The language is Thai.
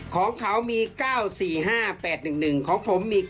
ของเขามี๙๔๕๘๑๑ของผมมี๙